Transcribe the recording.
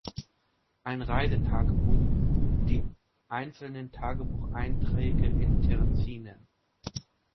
Ein Reisetagebuch" die einzelnen Tagebucheinträge in Terzinen.